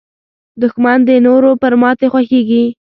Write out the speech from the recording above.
دښمن د نورو پر ماتې خوښېږي